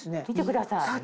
見てください。